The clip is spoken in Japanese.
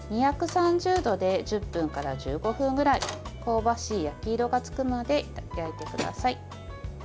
２３０度で１０分から１５分ぐらい香ばしい焼き色がつくまで焼いてください。